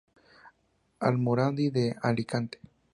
Almoradí de Alicante.